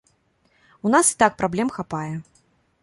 У нас і так праблем хапае.